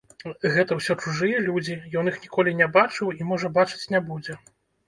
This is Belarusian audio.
Гэта ўсё чужыя людзі, ён іх ніколі не бачыў і, можа, бачыць не будзе.